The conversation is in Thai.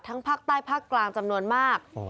ภาคใต้ภาคกลางจำนวนมาก